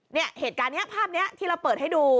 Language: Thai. เนี่ยเหตุการณ์นี้ภาพนี้ที่เราเปิดให้ดู